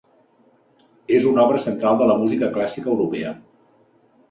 És una obra central de la música clàssica europea.